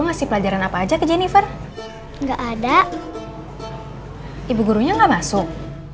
ngasih pelajaran apa aja ke jennifer enggak ada ibu gurunya enggak masuk